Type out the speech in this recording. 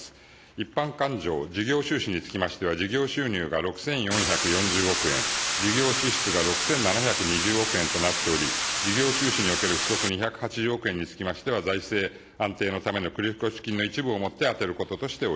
一般勘定事業収支につきましては、事業収入が６４４０億円、事業支出が６７２０億円となっており、事業収支における不足２８０億円につきましては、財政安定のための繰越金の一部をもって充てることとしております。